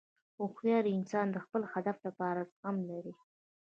هوښیار انسان د خپل هدف لپاره زغم لري.